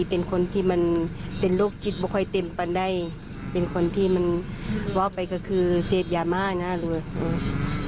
เป็นคนที่มันเป็นโรคจิตไม่ค่อยเต็มปันได้เป็นคนที่มันวะไปก็คือเสพยาบ้าน่ารู้เลยอืม